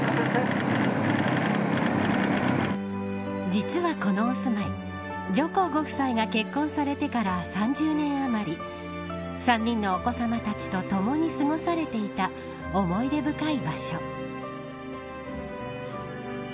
実はこのお住まい上皇ご夫妻が結婚されてから３０年あまり３人のお子さまたちとともに過ごされていた思い出深い場所。